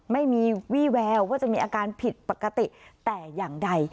ไม่มีวี่แววว่าจะมีอาการผิดปกติแต่อย่างใด